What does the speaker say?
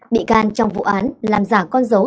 bị can trong vụ án làm giả con dấu